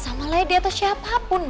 suara apa sih itu